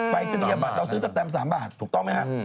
ไปศีรีอ่ะบาทนะ